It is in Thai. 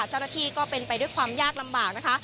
เจ้าหน้าที่ก็เป็นไปด้วยความยากลำบากนะคะ